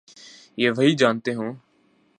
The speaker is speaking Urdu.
یہ وہی جانتے ہوں۔